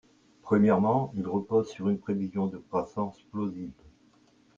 Premièrement, il repose sur une prévision de croissance plausible.